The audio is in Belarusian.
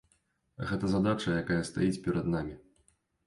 Гэта задача, якая стаіць перад намі.